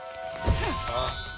ああ。